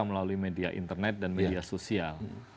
melalui media internet dan media sosial